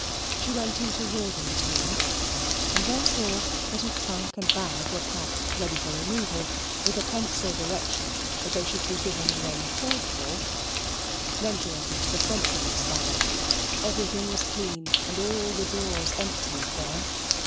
She went into Rawdon's room, and there saw that a trunk and bag were packed ready for removal, with a pencil direction that they should be given when called for; then she went into the Frenchwoman's garret; everything was clean, and all the drawers emptied there.